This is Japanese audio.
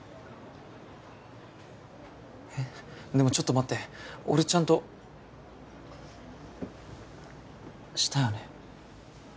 えっでもちょっと待って俺ちゃんとしたよね？